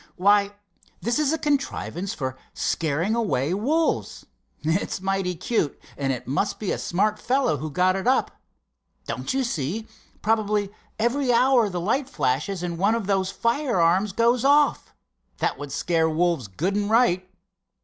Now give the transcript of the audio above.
"Why, this is a contrivance for scaring away wolves. It's mighty cute, and it must be a smart fellow who got it up. Don't you see, probably every hour the light flashes and one of those firearms goes off. That would scare wolves good and right."